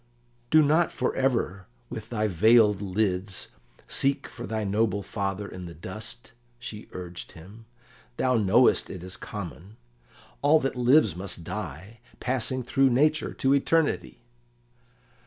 "Do not for ever with thy veiled lids seek for thy noble father in the dust," she urged him. "Thou knowest it is common; all that lives must die, passing through nature to eternity."